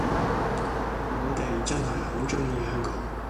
我哋真係好鍾意香港